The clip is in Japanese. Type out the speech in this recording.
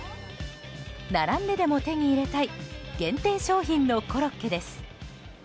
並んででも手に入れたい限定商品のコロッケです。